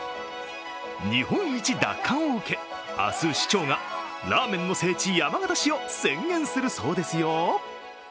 日本一奪還を受け、明日、市長がラーメンの聖地・山形市を宣言するようですよ。